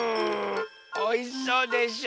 おいしそうでしょ？